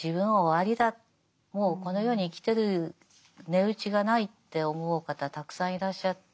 もうこの世に生きてる値打ちがないって思う方たくさんいらっしゃって。